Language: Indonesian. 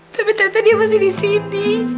tapi ternyata dia masih disini